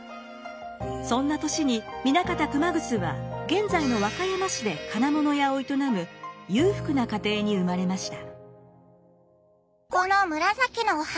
そんな年に南方熊楠は現在の和歌山市で金物屋を営む裕福な家庭に生まれました。